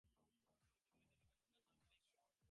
কোনো পূর্বপরিচিত লোকের সন্ধান সে মিলাইতে পারে নাই।